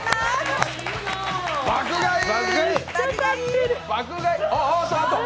爆買い！